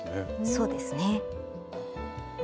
そうですね。